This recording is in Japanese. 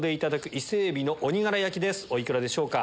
お幾らでしょうか？